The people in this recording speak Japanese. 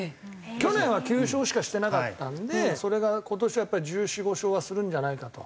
去年は９勝しかしてなかったんでそれが今年やっぱり１４１５勝はするんじゃないかと。